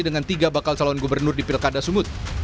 dengan tiga bakal calon gubernur di pilkada sumut